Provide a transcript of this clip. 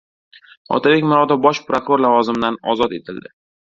Otabek Murodov Bosh prokuror lavozimidan ozod etildi